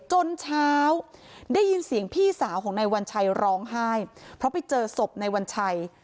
จนเช้าได้ยินเสียงพี่สาวของนายวัญชัยร้องไห้เพราะไปเจอศพในวันชัย